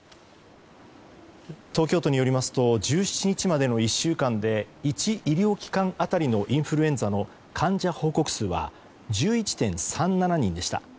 東京都によりますと１７日までの１週間で１医療機関当たりのインフルエンザの患者報告数は１１．３７人でした。